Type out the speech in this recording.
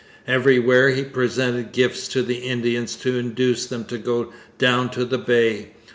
Everywhere he presented gifts to the Indians to induce them to go down to the Bay.